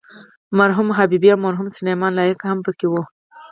مرحوم حبیبي او مرحوم سلیمان لایق هم په کې وو.